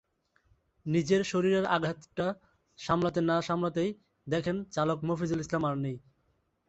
নিজের শরীরের আঘাতটা সামলাতে না সামলাতেই দেখেন চালক মফিজুল ইসলাম আর নেই।